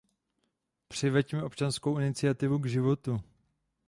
Přiveďme občanskou iniciativu k životu.